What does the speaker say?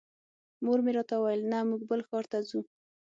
مور مې راته وویل نه موږ بل ښار ته ځو.